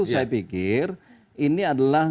saya pikir ini adalah